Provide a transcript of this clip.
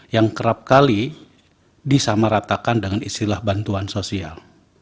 yang kerap kali disamaratakan dengan istilah bantuan sosial